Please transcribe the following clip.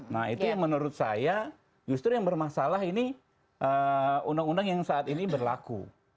nah itu yang menurut saya justru yang bermasalah ini undang undang yang saat ini berlaku